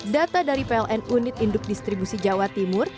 data dari pln unit induk distribusi jawa timur